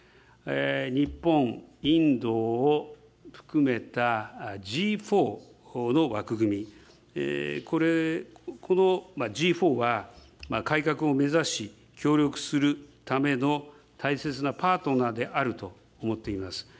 日本、インドを含めたＧ４の枠組み、このＧ４は改革を目指し、協力するための大切なパートナーであると思っています。